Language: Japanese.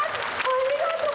ありがとう！